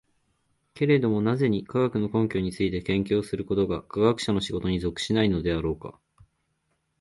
けれども何故に、科学の根拠について研究することが科学者の仕事に属しないのであろうか。